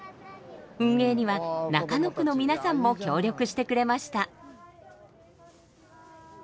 運営には中野区の皆さんも協力してくれました。